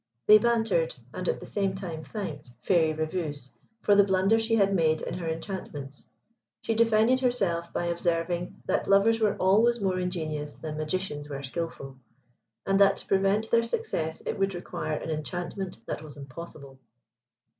They bantered, and at the same time thanked, Fairy Rèveuse, for the blunder she had made in her enchantments. She defended herself by observing that lovers were always more ingenious than magicians were skilful, and that to prevent their success it would require an enchantment that was impossible.